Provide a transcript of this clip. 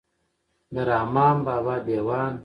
د رحمان بابا دېوان.